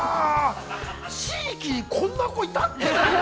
地域にこんな子いたっけ？